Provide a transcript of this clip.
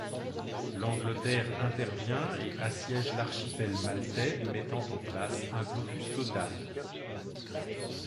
L’Angleterre intervient et assiège l'archipel maltais mettant en place un blocus total.